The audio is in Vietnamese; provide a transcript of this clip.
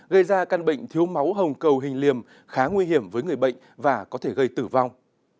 gây ra căn bệnh thiếu máu hồng cầu hình liềm khá nguy hiểm với người bệnh và có thể gây tử vong